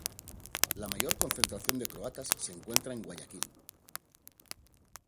La mayor concentración de croatas se encuentra en Guayaquil.